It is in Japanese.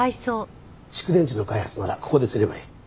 蓄電池の開発ならここですればいい。